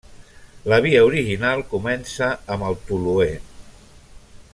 La via original comença amb el toluè.